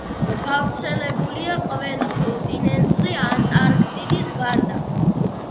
გავრცელებულია ყველა კონტინენტზე ანტარქტიდის გარდა.